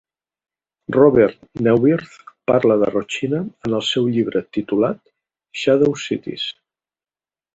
Robert Neuwirth parla de Rocinha en el seu llibre titulat "Shadow Cities".